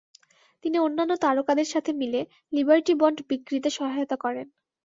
তিনি অন্যান্য তারকাদের সাথে মিলে লিবার্টি বন্ড বিক্রিতে সহায়তা করেন।